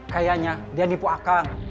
kayaknya dia nipu akang